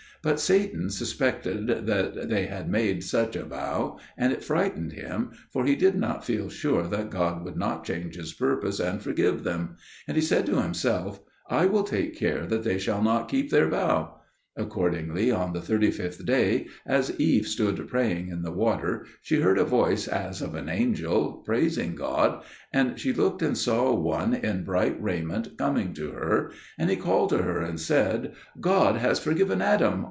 But Satan suspected that they had made such a vow, and it frightened him, for he did not feel sure that God would not change His purpose and forgive them; and he said to himself, "I will take care that they shall not keep their vow." Accordingly, on the thirty fifth day, as Eve stood praying in the water, she heard a voice as of an angel praising God, and she looked and saw one in bright raiment coming to her, and he called to her and said, "God has forgiven Adam!